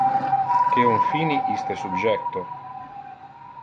Que on fini iste subjecto.